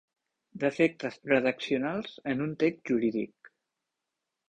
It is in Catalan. Defectes redaccionals en un text jurídic.